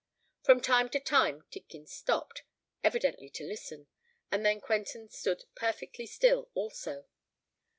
From time to time Tidkins stopped—evidently to listen; and then Quentin stood perfectly still also.